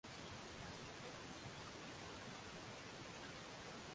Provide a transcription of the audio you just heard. kuwa kwa pamoja Mungu kweli na mtu kweli